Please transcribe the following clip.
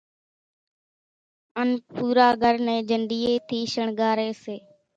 ان پورا گھر نين جنڍِيئين ٿِي شڻگاري سي